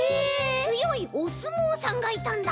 つよいおすもうさんがいたんだ！